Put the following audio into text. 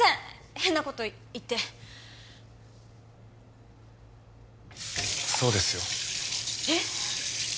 変なこと言ってそうですよえっ？